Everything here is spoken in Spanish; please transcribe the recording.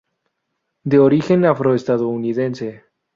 De origen afroestadounidense.